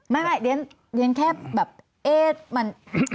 ไม่เดี๋ยวแค่แบบเอสมัน